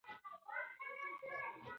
دوی د سولې او ورورولۍ لپاره کار کوي.